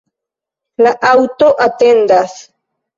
La aŭto atendas.